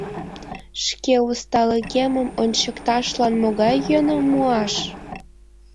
Шке усталыкемым ончыкташлан могай йӧным муаш?